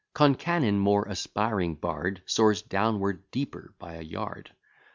Concanen, more aspiring bard, Soars downward deeper by a yard.